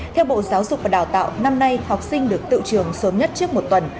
theo bộ giáo dục và đào tạo năm nay học sinh được tự trường sớm nhất trước một tuần